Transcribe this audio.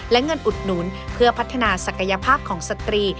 และเงินอุดหนุนเพื่อพัฒนาศักยภาพของสตรี